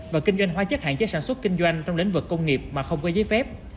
và kinh doanh hóa chất hạn chế sản xuất kinh doanh trong lĩnh vực công nghiệp mà không có giấy phép